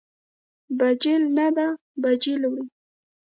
بیجل نه ده، بیجل وړي.